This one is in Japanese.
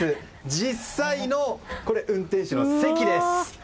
実際の運転士の席です！